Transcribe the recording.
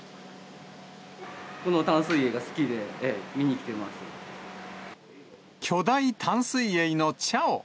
この淡水エイが好きで、巨大淡水エイのチャオ。